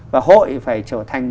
và hội phải trở thành